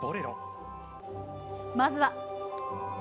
まずは。